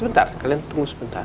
sebentar kalian tunggu sebentar